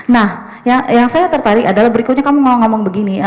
nah yang saya tertarik adalah berikutnya kamu mau ngomong begini